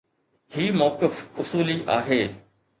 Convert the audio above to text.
هي موقف اصولي آهي